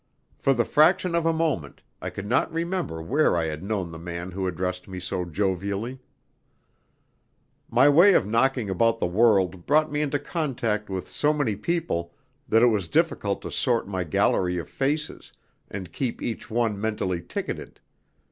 For the fraction of a moment I could not remember where I had known the man who addressed me so jovially. My way of knocking about the world brought me into contact with so many people that it was difficult to sort my gallery of faces, and keep each one mentally ticketed.